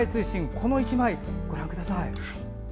この１枚、ご覧ください。